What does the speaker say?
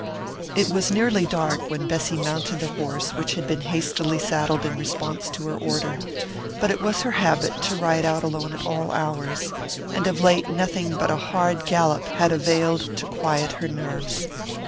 It was nearly dark when Bessy mounted the horse which had been hastily saddled in response to her order; but it was her habit to ride out alone at all hours, and of late nothing but a hard gallop had availed to quiet her nerves.